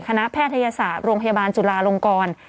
แพทยศาสตร์โรงพยาบาลจุลาลงกร